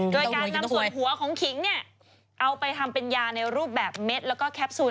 โดยการนำส่วนหัวของขิงเอาเป็นยาในรูปแบบเม็ดและแคปซูล